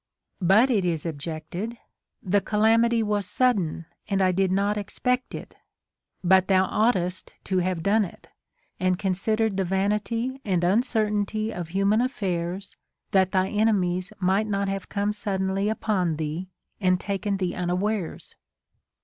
21. But it is objected, the calamity was sudden, and I did not expect it. But thou oughtest to have done it, and con sidered the vanity and uncertainty of human affairs, that thy enemies might not have come suddenly upon thee and taken thee unawares.